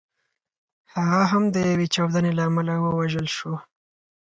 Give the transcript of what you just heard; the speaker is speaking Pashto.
هغه هم د یوې چاودنې له امله ووژل شو.